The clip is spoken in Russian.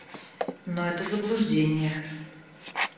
Но это заблуждение.